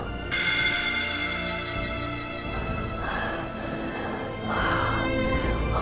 seperti waktu waktu yang lalu